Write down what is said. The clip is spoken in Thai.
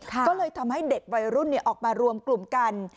ก็เลยทำให้เด็กวัยรุ่นออกมารวมกลุ่มกัน